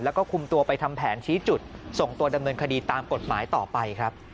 แล้วก็คุมตัวไปทำแผนชี้จุดส่งตัวดำเนินคดีตามกฎหมายต่อไปครับ